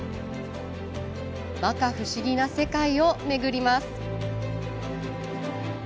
まか不思議な世界を巡ります。